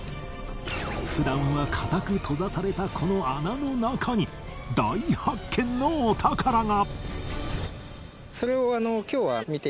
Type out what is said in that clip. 普段は固く閉ざされたこの穴の中に大発見のお宝が！